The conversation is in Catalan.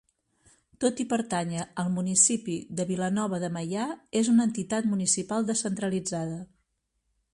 Tot i pertànyer al municipi de Vilanova de Meià, és una entitat municipal descentralitzada.